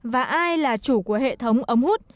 và ai là chủ của hệ thống ống hút